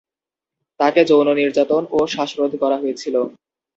তাকে যৌন নির্যাতন ও শ্বাসরোধ করা হয়েছিল।